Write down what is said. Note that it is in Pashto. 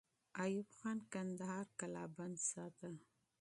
ایوب خان کندهار قلابند ساته.